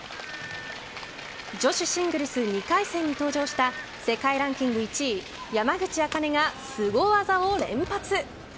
女子シングルス２回戦に登場した世界ランキング１位山口茜がすご技を連発。